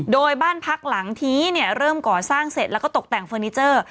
โดยบ้านพักหลังนี้เริ่มก่อสร้างเสร็จแล้วก็ตกแต่งเฟอร์นิเจอร์